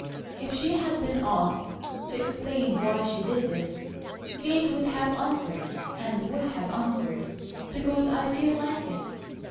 If she had been asked to explain why she did this, Kate could have answered, and would have answered: "Because I FEEL like it!"